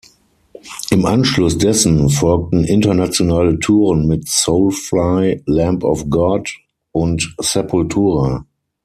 Im Anschluss dessen folgten internationale Touren mit Soulfly, Lamb of God und Sepultura.